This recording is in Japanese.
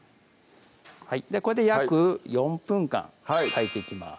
これで約４分間炊いていきます